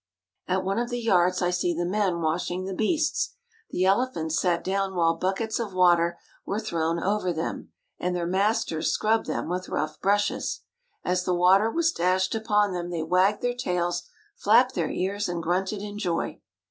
At one of the yards I saw the men washing the beasts. The elephants sat down while buckets of water were thrown over them, and their masters scrubbed them with rough brushes. As the water was dashed upon them they wagged their tails, flapped their ears, and grunted in joy.